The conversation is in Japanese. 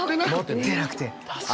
盛ってなくて。